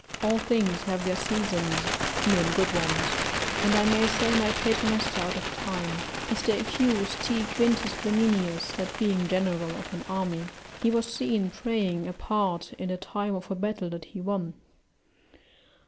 All things have their seasons, even good ones, and I may say my Paternoster out of time; as they accused T. Quintus Flaminius, that being general of an army, he was seen praying apart in the time of a battle that he won.